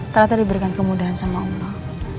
ternyata diberikan kemudahan sama allah